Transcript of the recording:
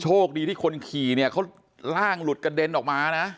โชคดีที่คนขี่เนี่ยเขาร่างหลุดกระเด็นออกมานะ